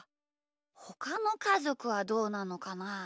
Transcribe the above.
ほかのかぞくはどうなのかな？